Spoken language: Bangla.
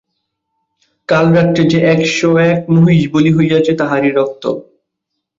কাল রাত্রে যে এক-শো-এক মহিষ বলি হইয়াছে তাহারই রক্ত।